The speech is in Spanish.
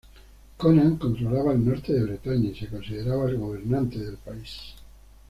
Conan controlaba el norte de Bretaña y se consideraba el gobernante del país.